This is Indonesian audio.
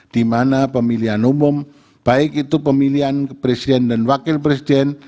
di mana pemilihan umum baik itu pemilihan presiden dan wakil presiden